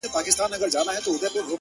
ز ماپر حا ل باندي ژړا مه كوه’